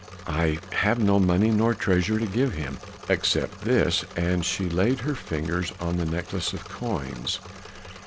I have no money nor treasure to give him, except this," and she laid her fingers on the necklace of coins.